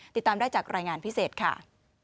ติดตามได้จากรายงานพิเศษค่ะ